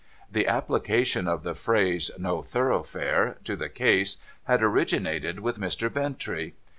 The application of the phrase No Thoroughfare to the case had originated with Mr. Bintrcy.